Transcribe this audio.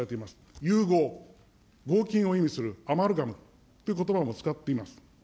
融合、を意味するアマルガムということばを使っています。